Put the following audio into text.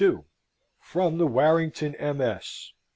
(From the Warrington MS.)